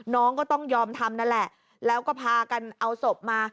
น้องก็ต้องยอมทำนั่นแหละแล้วก็พากันเอาศพมา